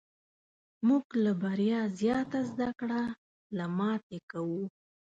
موږ له بریا زیاته زده کړه له ماتې کوو.